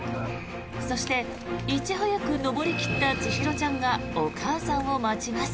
そして、いち早く登り切った千尋ちゃんがお母さんを待ちます。